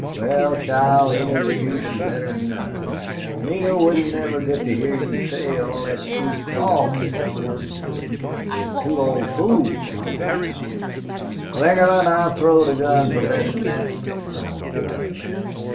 "Wal, child, any excuse is better 'n none. Neale wouldn't never git to hyar you say all thet sweet talk as is comin' to him if two old fools hung round." "Slingerland, I've throwed a gun for less 'n thet," drawled Larry.